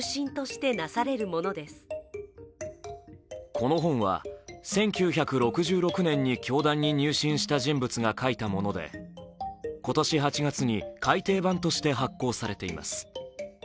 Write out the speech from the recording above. この本は１９６６年に教団に入信した人物が書いたもので今年８月に改訂版として発行されています。